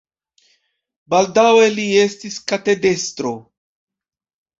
Baldaŭe li estis katedrestro.